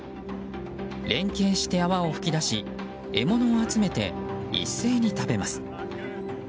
連携して泡を噴き出し獲物を集めて一斉に食べます。